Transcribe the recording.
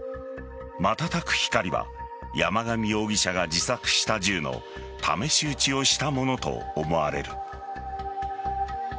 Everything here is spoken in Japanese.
まばたく光は山上容疑者が自作した銃の試し撃ちをしたものと思われる。